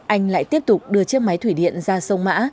anh lại tiếp tục đưa chiếc máy thủy điện ra sông mã